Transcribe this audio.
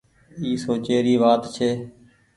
اي سوچي ري وآت ڇي۔